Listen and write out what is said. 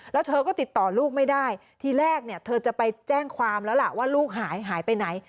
แล้วเธอก็ติดต่อลูกไม่ได้ทีแรกเนี่ยเธอจะไปแจ้งความแล้วล่ะว่าลูกหายหายไปไหน